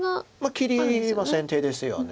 切りは先手ですよね。